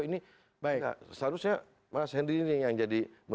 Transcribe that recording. ini seharusnya mas hendri ini yang jadikan